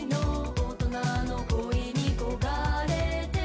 「大人の恋に焦がれて」